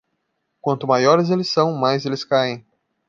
Quanto maiores eles são, mais eles caem.